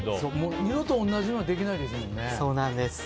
二度と同じようにはできないですもんね。